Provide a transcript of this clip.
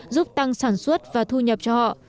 giúp tăng sản xuất và thu nhập cho họ